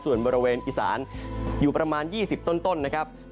ส่วนบริเวณอีสานอยู่ประมาณ๒๐ต้นนะครับ